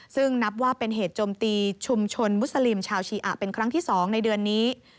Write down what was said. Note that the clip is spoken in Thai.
ซึ่งนับว่าเป็นเหตุจมตีชุมชนมุสลิมชาวชีอะเป็นครั้งที่๒ในเดือนนี้